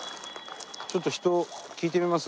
ちょっと人聞いてみます？